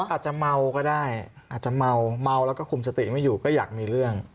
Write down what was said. อาจจะเมาก็ได้อาจจะเมาเมาแล้วก็คุมสติไม่อยู่ก็อยากมีเรื่อง